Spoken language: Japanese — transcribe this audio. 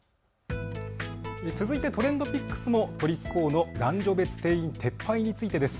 続いてＴｒｅｎｄＰｉｃｋｓも都立高の男女別定員撤廃についてです。